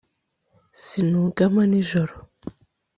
Sinugama nijoro